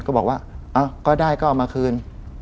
ก็บอกว่าก็ได้ก็เอามาคืน